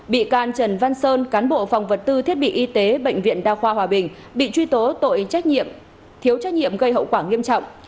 bị can trần văn sơn cán bộ phòng vật tư thiết bị y tế bệnh viện đa khoa hòa bình bị truy tố tội trách nhiệm thiếu trách nhiệm gây hậu quả nghiêm trọng